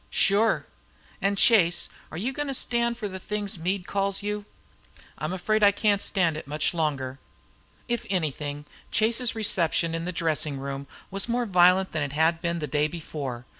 "Shure. An' say, Chase, are you goin' to stand fer the things Meade calls you?" "I'm afraid I can't stand it much longer." If anything, Chase's reception in the dressing room was more violent than it had been the day before.